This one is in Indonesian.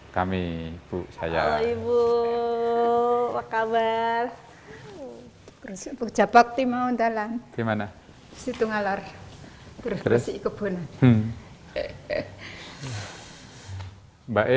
kami bu saya ibu apa kabar berjabat timau dalam gimana situ ngalar terus kebun mbak